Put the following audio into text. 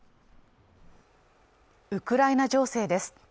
ウクライナ情勢です